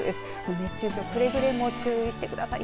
熱中症くれぐれも注意してください。